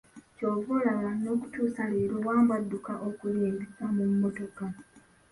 Ky'ova olaba n'okutuusa leero, Wambwa adduka okulingiza mu mmotoka.